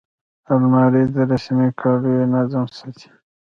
الماري د رسمي کالیو نظم ساتي